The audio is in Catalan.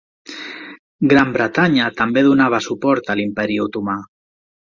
Gran Bretanya també donava suport a l'imperi otomà.